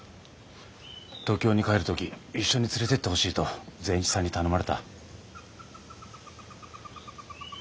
東京に帰る時一緒に連れてってほしいと善一さんに頼まれた。